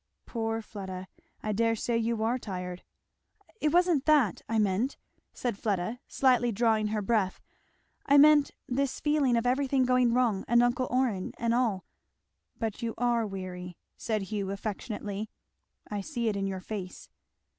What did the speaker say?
"Poor Fleda! I dare say you are tired." "It wasn't that I meant," said Fleda, slightly drawing her breath; "I meant this feeling of everything going wrong, and uncle Orrin, and all " "But you are weary," said Hugh affectionately. "I see it in your face."